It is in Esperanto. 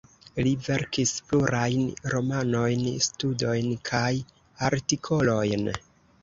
Li verkis plurajn romanojn, studojn kaj artikolojn.